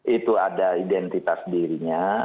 itu ada identitas dirinya